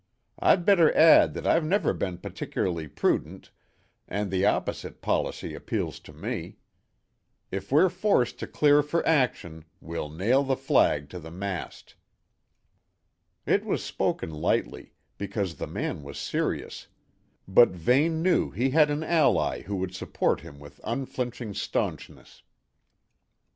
I'd better add that I've never been particularly prudent, and the opposite policy appeals to me. If we're forced to clear for action, we'll nail the flag to the mast." It was spoken lightly; because the man was serious, but Vane knew he had an ally who would support him with unflinching staunchness.